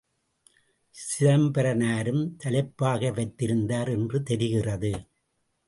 சிதம்பரனாரும் தலைப்பாகை வைத்திருந்தார் என்று தெரிகிறது.